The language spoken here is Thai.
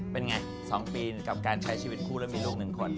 เป็นไง๒ปีกับการใช้ชีวิตคู่แล้วมีลูก๑คน